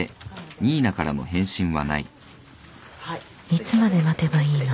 いつまで待てばいいの？